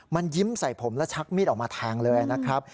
มันยิ้มใส่ผมแล้วชักมีดออกมาแทงเลยนะครับ